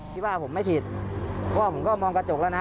ที่ว่าผมไม่ผิดเพราะว่าผมก็มองกระจกแล้วนะ